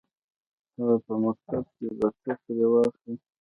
_هه! په مکتب کې به څه پرې واخلې.